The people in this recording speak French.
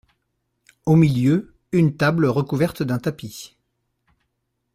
Au milieu, une table recouverte d’un tapis.